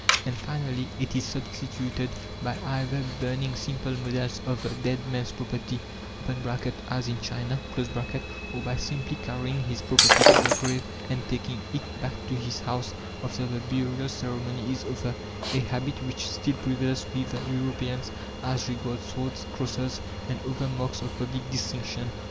And, finally, it is substituted by either burning simple models of the dead man's property (as in China), or by simply carrying his property to the grave and taking it back to his house after the burial ceremony is over a habit which still prevails with the Europeans as regards swords, crosses, and other marks of public distinction.